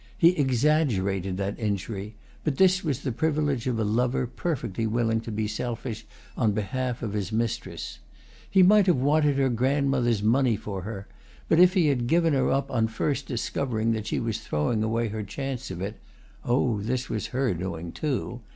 He exaggerated that injury, but this was the privilege of a lover perfectly willing to be selfish on behalf of his mistress. He might have wanted her grandmother's money for her, but if he had given her up on first discovering that she was throwing away her chance of it (oh, this was her doing too!)